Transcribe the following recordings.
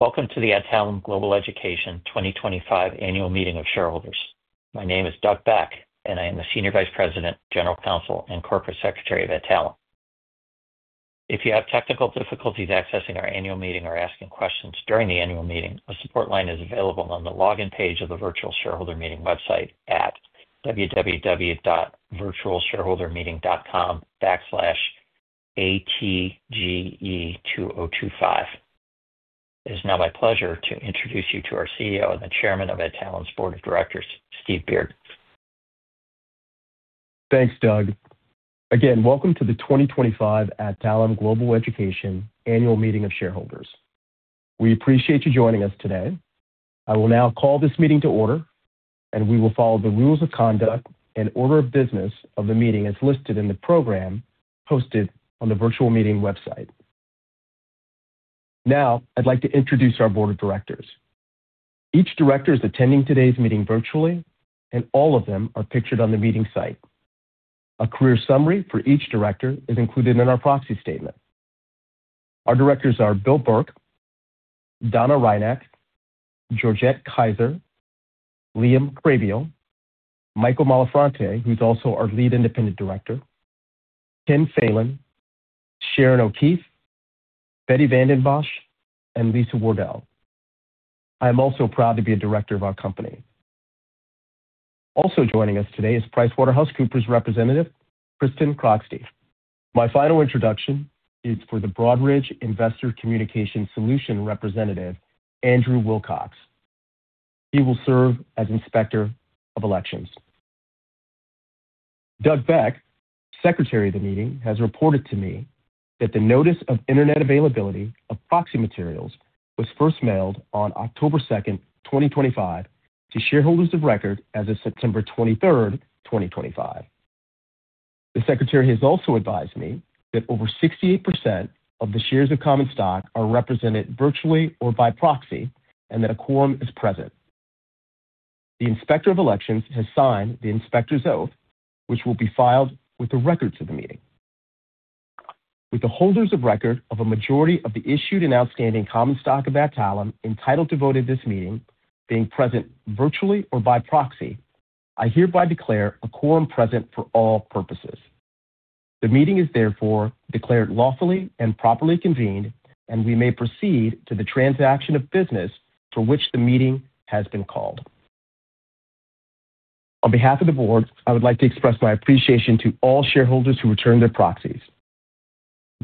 Welcome to the Adtalem Global Education 2025 Annual Meeting of Shareholders. My name is Doug Beck, and I am the Senior Vice President, General Counsel, and Corporate Secretary of Adtalem. If you have technical difficulties accessing our annual meeting or asking questions during the annual meeting, a support line is available on the login page of the Virtual Shareholder Meeting website at www.virtualshareholdermeeting.com/ATGE2025. It is now my pleasure to introduce you to our CEO and the Chairman of Adtalem's Board of Directors, Steve Beard. Thanks, Doug. Again, welcome to the 2025 Adtalem Global Education Annual Meeting of Shareholders. We appreciate you joining us today. I will now call this meeting to order, and we will follow the rules of conduct and order of business of the meeting as listed in the program posted on the Virtual Meeting website. Now, I'd like to introduce our Board of Directors. Each director is attending today's meeting virtually, and all of them are pictured on the meeting site. A career summary for each director is included in our proxy statement. Our directors are Bill Burke, Donna Hrinak, Georgette Kiser, Liam Krehbiel, Michael Malafronte, who's also our lead independent director, Ken Phelan, Sharon O'Keeffe, Betty Vandenbosch, and Lisa Wardell. I am also proud to be a director of our company. Also joining us today is PricewaterhouseCoopers representative Kristin Krogstie. My final introduction is for the Broadridge Investor Communication Solutions representative, Andrew Wilcox. He will serve as Inspector of Elections. Doug Beck, Secretary of the Meeting, has reported to me that the Notice of Internet Availability of Proxy Materials was first mailed on October 2nd, 2025, to shareholders of record as of September 23rd, 2025. The Secretary has also advised me that over 68% of the shares of common stock are represented virtually or by proxy and that a quorum is present. The Inspector of Elections has signed the Inspector's Oath, which will be filed with the records of the meeting. With the holders of record of a majority of the issued and outstanding common stock of Adtalem entitled to vote at this meeting being present virtually or by proxy, I hereby declare a quorum present for all purposes. The meeting is therefore declared lawfully and properly convened, and we may proceed to the transaction of business for which the meeting has been called. On behalf of the Board, I would like to express my appreciation to all shareholders who returned their proxies.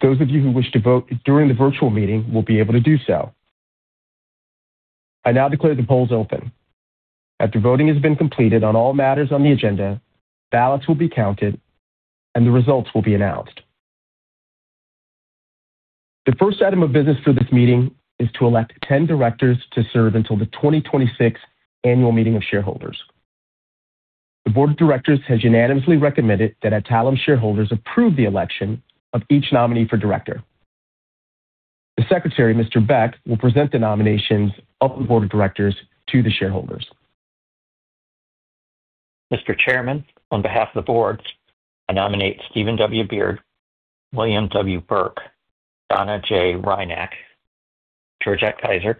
Those of you who wish to vote during the virtual meeting will be able to do so. I now declare the polls open. After voting has been completed on all matters on the agenda, ballots will be counted, and the results will be announced. The first item of business for this meeting is to elect 10 directors to serve until the 2026 Annual Meeting of Shareholders. The Board of Directors has unanimously recommended that Adtalem shareholders approve the election of each nominee for director. The Secretary, Mr. Beck, will present the nominations of the Board of Directors to the shareholders. Mr. Chairman, on behalf of the Board, I nominate Stephen W. Beard, William W. Burke, Donna J. Hrinak, Georgette Kiser,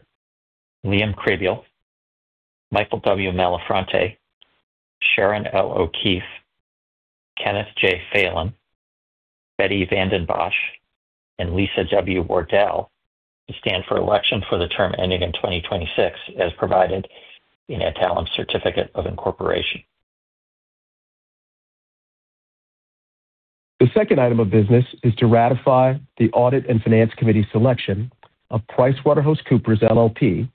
Liam Krehbiel, Michael W. Malafronte, Sharon L. O'Keeffe, Kenneth J. Phelan, Betty Vandenbosch, and Lisa W. Wardell to stand for election for the term ending in 2026 as provided in Adtalem's Certificate of Incorporation. The second item of business is to ratify the Audit and Finance Committee selection of PricewaterhouseCoopers LLP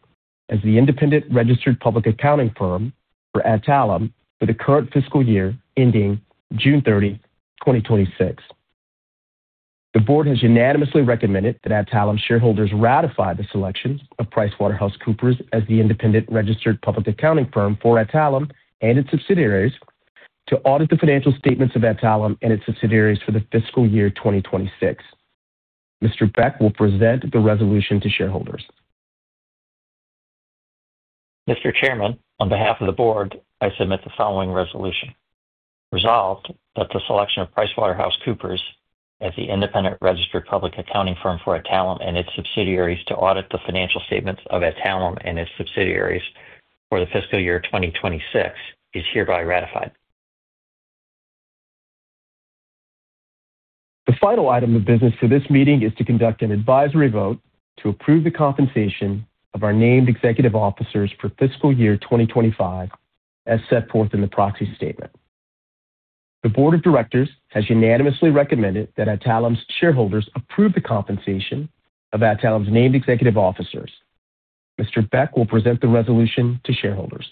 as the independent registered public accounting firm for Adtalem for the current fiscal year ending June 30, 2026. The Board has unanimously recommended that Adtalem shareholders ratify the selection of PricewaterhouseCoopers as the independent registered public accounting firm for Adtalem and its subsidiaries to audit the financial statements of Adtalem and its subsidiaries for the fiscal year 2026. Mr. Beck will present the resolution to shareholders. Mr. Chairman, on behalf of the Board, I submit the following resolution. Resolved that the selection of PricewaterhouseCoopers as the independent registered public accounting firm for Adtalem and its subsidiaries to audit the financial statements of Adtalem and its subsidiaries for the fiscal year 2026 is hereby ratified. The final item of business for this meeting is to conduct an advisory vote to approve the compensation of our named executive officers for fiscal year 2025 as set forth in the proxy statement. The Board of Directors has unanimously recommended that Adtalem's shareholders approve the compensation of Adtalem's named executive officers. Mr. Beck will present the resolution to shareholders.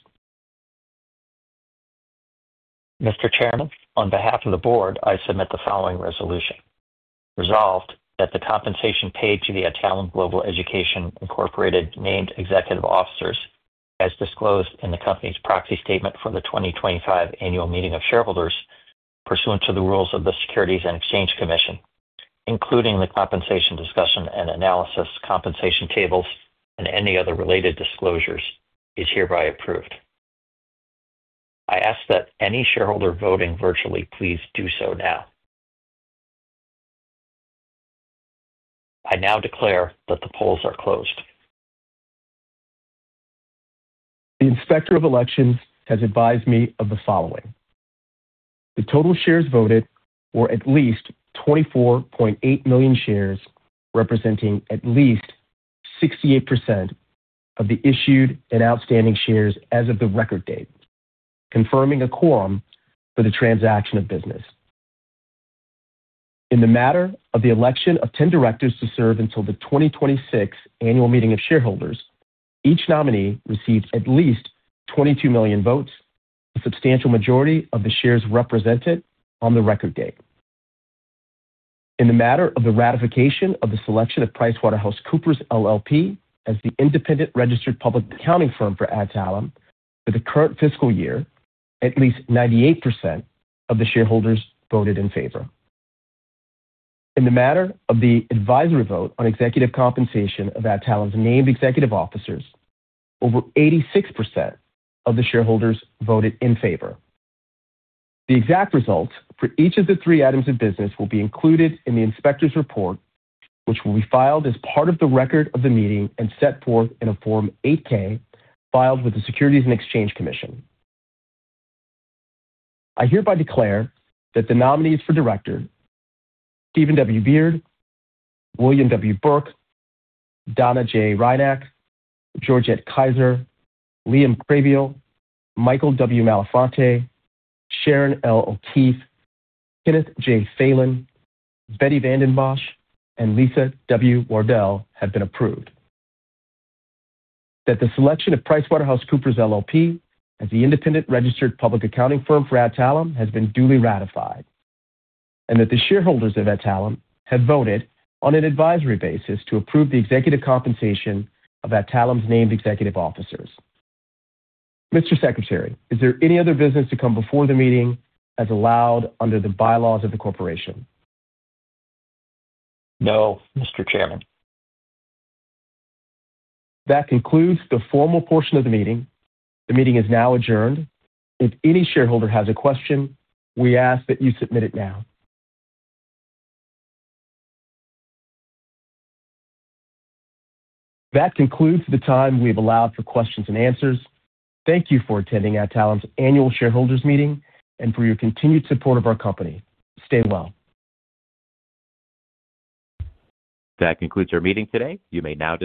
Mr. Chairman, on behalf of the Board, I submit the following resolution. Resolved that the compensation paid to the Adtalem Global Education Inc. named executive officers, as disclosed in the company's proxy statement for the 2025 Annual Meeting of Shareholders, pursuant to the rules of the Securities and Exchange Commission, including the compensation discussion and analysis compensation tables and any other related disclosures, is hereby approved. I ask that any shareholder voting virtually please do so now. I now declare that the polls are closed. The Inspector of Elections has advised me of the following: the total shares voted were at least 24.8 million shares representing at least 68% of the issued and outstanding shares as of the record date, confirming a quorum for the transaction of business. In the matter of the election of 10 directors to serve until the 2026 Annual Meeting of Shareholders, each nominee received at least 22 million votes, a substantial majority of the shares represented on the record date. In the matter of the ratification of the selection of PricewaterhouseCoopers LLP as the independent registered public accounting firm for Adtalem for the current fiscal year, at least 98% of the shareholders voted in favor. In the matter of the advisory vote on executive compensation of Adtalem's named executive officers, over 86% of the shareholders voted in favor. The exact results for each of the three items of business will be included in the Inspector's Report, which will be filed as part of the record of the meeting and set forth in a Form 8-K filed with the Securities and Exchange Commission. I hereby declare that the nominees for director are Stephen W. Beard, William W. Burke, Donna J. Hrinak, Georgette Kiser, Liam Krehbiel, Michael W. Malafronte, Sharon L. O'Keeffe, Kenneth J. Phelan, Betty Vandenbosch, and Lisa W. Wardell have been approved. That the selection of PricewaterhouseCoopers LLP as the independent registered public accounting firm for Adtalem has been duly ratified, and that the shareholders of Adtalem have voted on an advisory basis to approve the executive compensation of Adtalem's named executive officers. Mr. Secretary, is there any other business to come before the meeting as allowed under the bylaws of the corporation? No, Mr. Chairman. That concludes the formal portion of the meeting. The meeting is now adjourned. If any shareholder has a question, we ask that you submit it now. That concludes the time we have allowed for questions and answers. Thank you for attending Adtalem's Annual Shareholders Meeting and for your continued support of our company. Stay well. That concludes our meeting today. You may now.